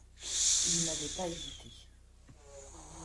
il n’avait pas hésité.